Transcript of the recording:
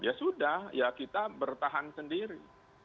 ya sudah ya kita bertahan sendiri